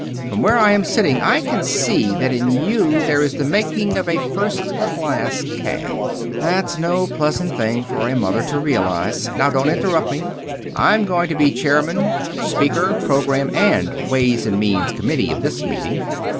From where I am sitting I can see that in you there is the making of a first class cad. That's no pleasant thing for a mother to realize. Now don't interrupt me. I'm going to be chairman, speaker, program, and ways and means committee of this meeting.